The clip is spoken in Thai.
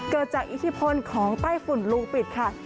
เกิดจากอิทธิพลของใต้ฝุ่นคะ